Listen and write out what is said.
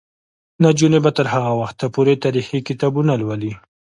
نجونې به تر هغه وخته پورې تاریخي کتابونه لولي.